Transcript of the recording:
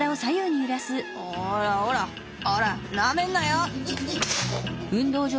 おらおらおらなめんなよ！」。